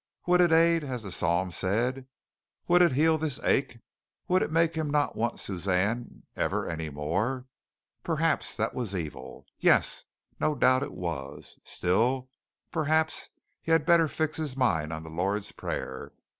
Would it aid as the psalm said? Would it heal this ache? Would it make him not want Suzanne ever any more? Perhaps that was evil? Yes, no doubt it was. Still Perhaps he had better fix his mind on the Lord's Prayer.